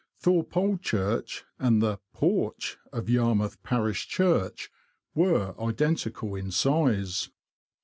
Thorpe Old Church and the porch of Yarmouth Parish Church were identical in size.